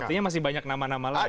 artinya masih banyak nama nama lain